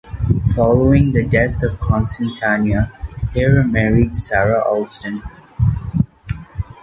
Following the death of Constantia, Hare married Sarah Alston.